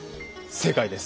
正解です。